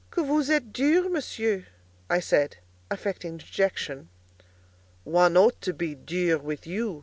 "Que vous êtes dur, Monsieur!" I said, affecting dejection. "One ought to be 'dur' with you.